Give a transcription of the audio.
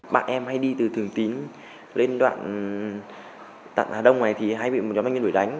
bạn em hay đi từ thường tín lên đoạn hà đông này thì hay bị một nhóm đánh nhân đuổi đánh